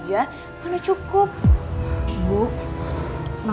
masa makanannya cuma sebuah mangkok